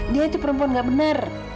dia itu perempuan gak benar